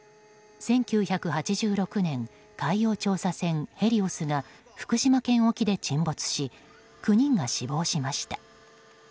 １９８６年海洋調査船「へりおす」が福島県沖で沈没し９人が死亡しました。